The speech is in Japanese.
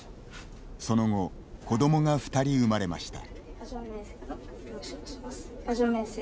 その後、子どもが２人生まれました。